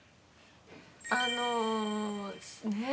あのねえ。